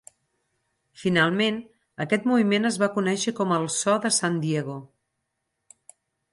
Finalment, aquest moviment es va conèixer com el "so de Sant Diego".